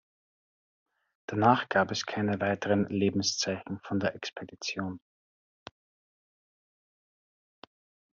Danach gab es keine weiteren Lebenszeichen von der Expedition.